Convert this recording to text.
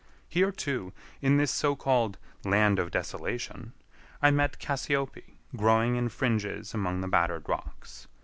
Here, too, in this so called "land of desolation," I met cassiope, growing in fringes among the battered rocks.